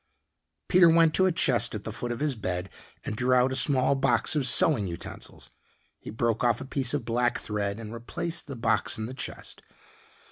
Peter went to a chest at the foot of his bed and drew out a small box of sewing utensils. He broke off a piece of black thread and replaced the box in the chest.